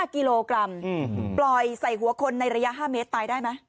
๕กิโลกรัมปล่อยใส่หัวคนในระยะ๕เมตรตายได้ไหม